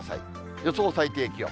予想最低気温。